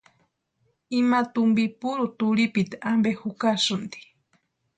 Ima tumpi puru turhipiti ampe jukasïnti.